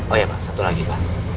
oh ya pak satu lagi pak